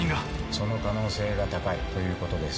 その可能性が高いということです。